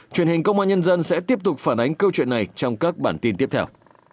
truyền hình công an nhân dân sẽ tiếp tục phản ánh câu chuyện này trong các bản tin tiếp theo